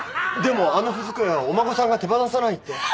でもあの文机はお孫さんが手放さないって。